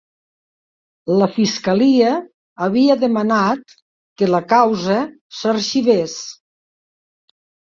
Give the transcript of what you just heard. La fiscalia havia demanat que la causa s'arxivés